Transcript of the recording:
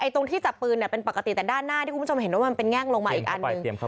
ตรงที่จับปืนเป็นปกติแต่ด้านหน้าที่คุณผู้ชมเห็นว่ามันเป็นแง่งลงมาอีกอันหนึ่ง